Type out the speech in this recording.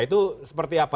itu seperti apa